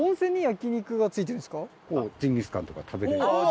ジンギスカンとか食べれる。